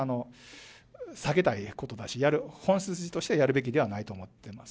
避けたいことだし、本筋としてやるべきではないと思ってます。